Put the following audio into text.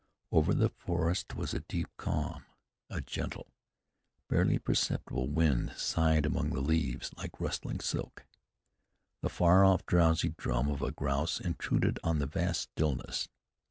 Over the forest was a deep calm. A gentle, barely perceptible wind sighed among the leaves, like rustling silk. The far off drowsy drum of a grouse intruded on the vast stillness.